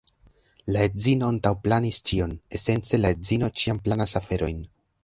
La edzino antaŭplanis ĉion, esence la edzino ĉiam planas aferojn.